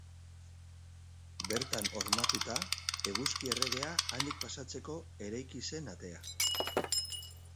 Bertan hormatuta, Eguzki Erregea handik pasatzeko eraiki zen atea.